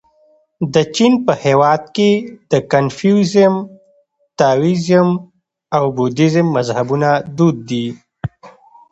د چین په هېواد کې د کنفوسیزم، تائویزم او بودیزم مذهبونه دود دي.